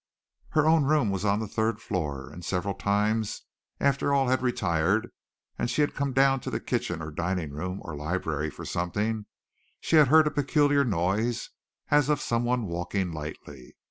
Her own room was on the third floor, and several times after all had retired and she had come down to the kitchen or dining room or library for something, she had heard a peculiar noise as of someone walking lightly.